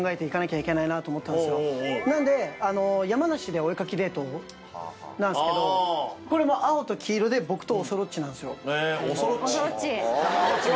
なので山梨でお絵描きデートなんすけどこれも青と黄色で僕とおそろっちなんすよ。おそろっち。